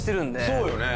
そうよね